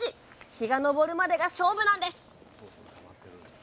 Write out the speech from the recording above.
日が昇るまでが勝負なんです